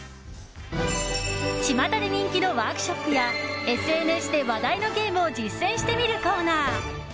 ちまたで人気のワークショップやＳＮＳで話題のゲームを実践してみるコーナー